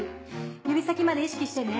指先まで意識してね。